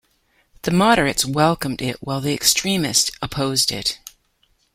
The moderates welcomed it while the extremists opposed it.